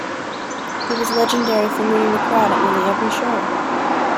He was legendary for mooning the crowd at nearly every show.